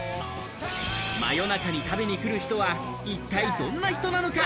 夜中に食べに来る人は一体どんな人なのか？